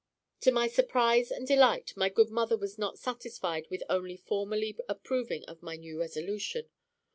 To my surprise and delight, my good mother was not satisfied with only formally approving of my new resolution.